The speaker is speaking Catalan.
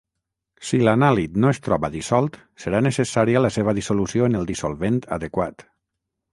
Si l'anàlit no es troba dissolt, serà necessària la seva dissolució en el dissolvent adequat.